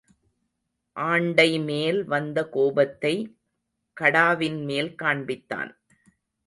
ஆண்டைமேல் வந்த கோபத்தைக் கடாவின்மேல் காண்பித்தான்.